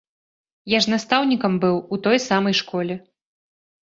Я ж настаўнікам быў у той самай школе.